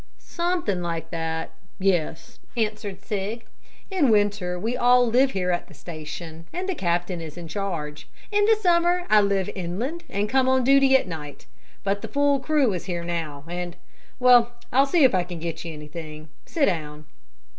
"Something like that yes," answered Sig. "In winter we all live here at the station, and the captain is in charge. In the summer I live inland, and come on duty at night. But the full crew is here now and well, I'll see if I can get you anything. Sit down."